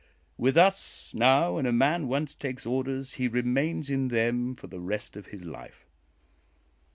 With us, now, when a man once takes orders, he remains in them for the rest of his life."